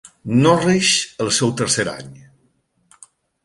Norrish el seu tercer any.